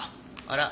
あら？